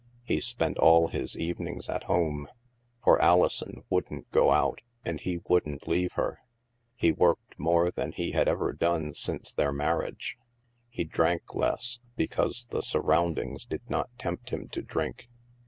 He spent all his evenings at home, for Alison wouldn't go out, and he wouldn't leave her. He worked more than he had ever done since their marriage. He drank less, because the sur roundings did not tempt him to drink.